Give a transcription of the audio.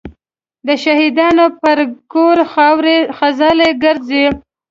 د شهیدانو به پر ګور خاوري خزلي ګرځي